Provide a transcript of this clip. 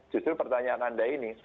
justru pertanyaan anda ini